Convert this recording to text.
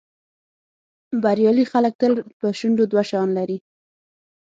بریالي خلک تل په شونډو دوه شیان لري.